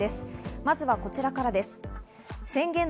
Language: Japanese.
まずはこちらからです。